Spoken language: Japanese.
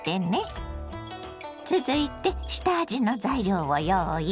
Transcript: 続いて下味の材料を用意。